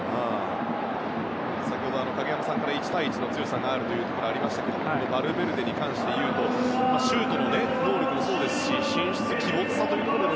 先ほど影山さんから１対１の強さについてありましたがバルベルデに関して言うとシュートの能力もそうですし神出鬼没さというのも。